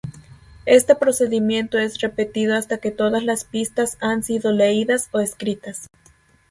Este procedimiento es repetido hasta que todas las pistas han sido leídas o escritas.